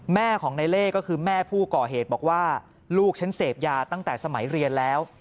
แม่ของในเล่ก็คือแม่ผู้ก่อเหตุบอกว่าลูกฉันเสพยาตั้งแต่สมัยเรียนแล้ว